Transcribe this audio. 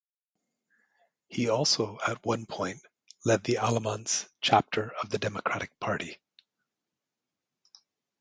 He also at one point led the Alamance chapter of the Democratic Party.